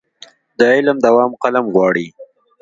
د علم دوام قلم غواړي.